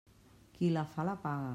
Qui la fa, la paga.